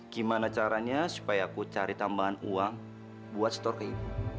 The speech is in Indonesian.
gimana caranya supaya aku cari tambahan uang buat store ke ibu